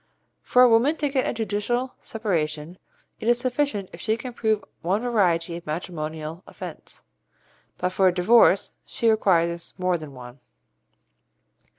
For a woman to get a judicial separation, it is sufficient if she can prove one variety of matrimonial offence, but for a divorce she requires more than one.